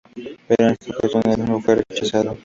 Pero en esta ocasión el mismo fue rechazado.